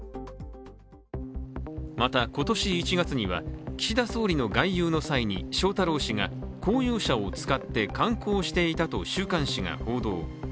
また今年１月には岸田総理の外遊の際に翔太郎氏が公用車を使って観光していたと週刊誌が報道。